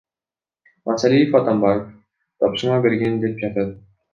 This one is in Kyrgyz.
Масалиев Атамбаев тапшырма берген деп жатат.